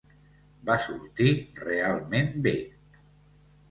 Va sortir realment bé.